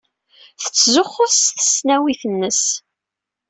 Tettzuxxu s tesnawit-nnes.